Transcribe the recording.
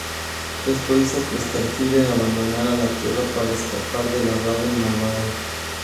Esto hizo que Starfire abandonara la Tierra para escapar de la Raven Malvada.